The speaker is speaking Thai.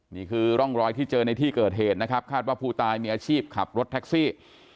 นี่คือร่องรอยที่เจอในที่เกิดเหตุนะครับคาดว่าผู้ตายมีอาชีพขับรถแท็กซี่